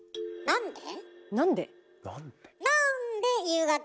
なんで？